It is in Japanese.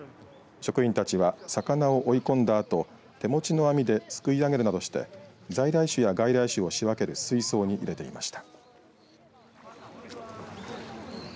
職員たちは魚を追いこんだあと手持ちの網ですくい上げるなどして在来種や外来種を仕分ける水槽に入れていました。